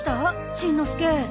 しんのすけ。